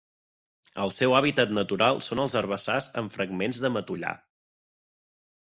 El seu hàbitat natural són els herbassars amb fragments de matollar.